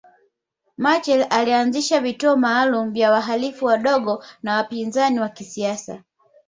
Machel alianzisha vituo maalumu vya wahalifu wadogo na wapinzani wa kisiasa